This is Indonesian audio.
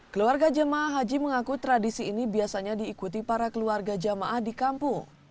keluarga jemaah haji mengaku tradisi ini biasanya diikuti para keluarga jamaah di kampung